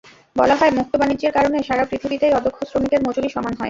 বলা হয়, মুক্ত বাণিজ্যের কারণে সারা পৃথিবীতেই অদক্ষ শ্রমিকের মজুরি সমান হয়।